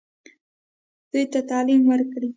دوی ته تعلیم ورکړئ